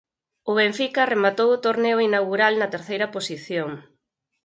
O Benfica rematou o torneo inaugural na terceira posición.